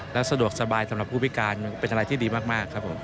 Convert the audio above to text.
และสะดวกสบายสำหรับผู้พิการเป็นอะไรที่ดีมากครับผม